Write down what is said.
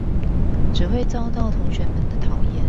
只會遭到同學們的討厭